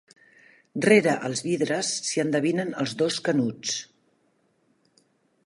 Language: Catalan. Rere els vidres s'hi endevinen els dos Canuts.